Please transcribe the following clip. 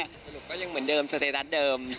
สรุปก็ยังเหมือนเดิมสเตรัสเดิม